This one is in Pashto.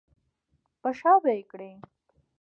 په شا به یې کړې.